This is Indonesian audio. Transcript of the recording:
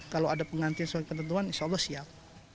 kalau ada penggantian sesuai ketentuan insya allah siap